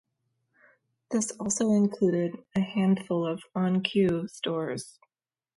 This also included a handful of On Cue stores.